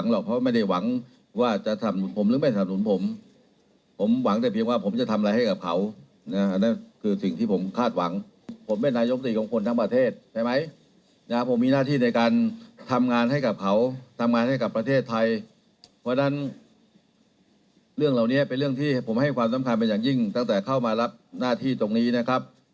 เพราะฉะนั้นเรื่องเหล่านี้เป็นเรื่องที่ผมให้ความสำคัญเป็นอย่างยิ่งตั้งแต่เข้ามารับหน้าที่ตรงนี้นะครับ